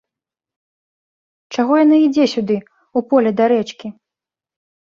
Чаго яна ідзе сюды, у поле да рэчкі?